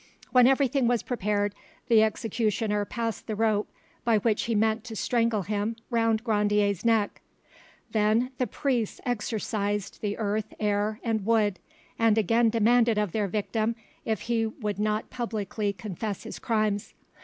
When everything was prepared, the executioner passed the rope by which he meant to strangle him round Grandier's neck; then the priests exorcised the earth, air, and wood, and again demanded of their victim if he would not publicly confess his crimes.